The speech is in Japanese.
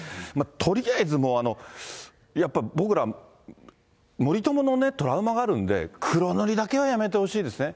とりあえず、やっぱ僕ら、森友のトラウマがあるんで、黒塗りだけはやめてほしいですね。